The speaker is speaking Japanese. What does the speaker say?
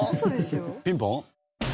ピンポン？